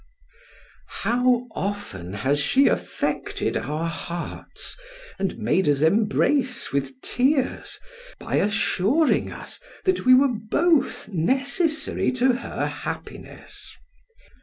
How often has she affected our hearts and made us embrace with tears, by assuring us that we were both necessary to her happiness!